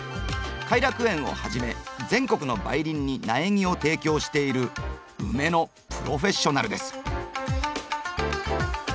偕楽園をはじめ全国の梅林に苗木を提供しているウメのプロフェッショナルです。